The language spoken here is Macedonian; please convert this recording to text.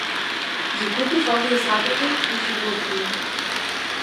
Ги купив овие садови и животни.